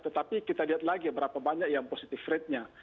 tetapi kita lihat lagi berapa banyak yang positive ratenya